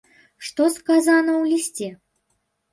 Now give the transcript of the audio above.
Што сказана ў лісце?